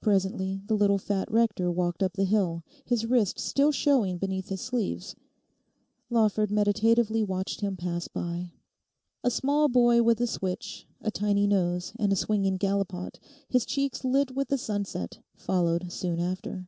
Presently the little fat rector walked up the hill, his wrists still showing beneath his sleeves. Lawford meditatively watched him pass by. A small boy with a switch, a tiny nose, and a swinging gallipot, his cheeks lit with the sunset, followed soon after.